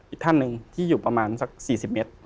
อีกท่านหนึ่งที่อยู่ประมาณสัก๔๐เมตร